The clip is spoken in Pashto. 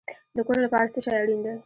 د کور لپاره څه شی اړین دی؟